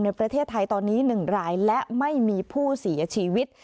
ในประเทศไทยตอนนี้๑รายและไม่มีผู้เสียชีวิต